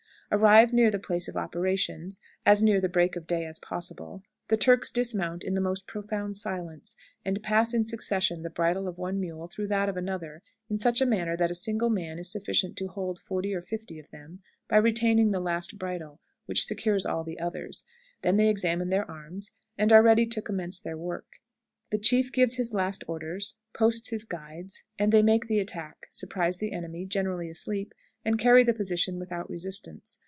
Arrived near the place of operations (as near the break of day as possible), the Turks dismount in the most profound silence, and pass in succession the bridle of one mule through that of another in such a manner that a single man is sufficient to hold forty or fifty of them by retaining the last bridle, which secures all the others; they then examine their arms, and are ready to commence their work. The chief gives his last orders, posts his guides, and they make the attack, surprise the enemy, generally asleep, and carry the position without resistance.